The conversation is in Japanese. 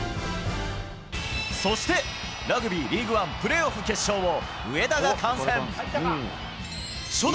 そして、ラグビー、リーグワンプレーオフ決勝を上田が観戦。